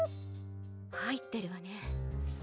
はいってるわね。